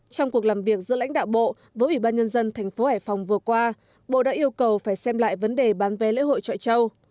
trong cuộc làm việc giữa lãnh đạo bộ với ủy ban nhân dân thành phố hải phòng vừa qua bộ đã yêu cầu phải xem lại vấn đề bán vé lễ hội trọi châu